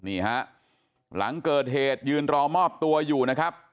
นี่ฮะหลังเกิดเหตุยืนรอมอบตัวอยู่นะครับ